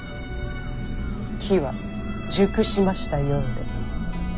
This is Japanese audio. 機は熟しましたようで。